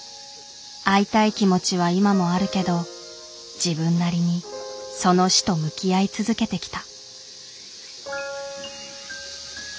会いたい気持ちは今もあるけど自分なりにその死と向き合い続けてきた。